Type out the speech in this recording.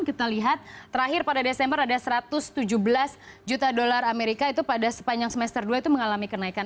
kita lihat terakhir pada desember ada satu ratus tujuh belas juta dolar amerika itu pada sepanjang semester dua itu mengalami kenaikan